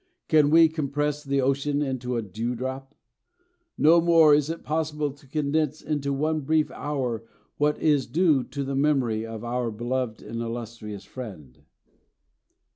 Can we compress the ocean into a dewdrop? No more is it possible to condense into one brief hour what is due to the memory of our beloved and illustrious friend.